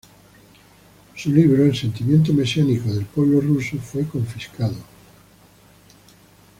Su libro "El sentimiento mesiánico del pueblo ruso" fue confiscado.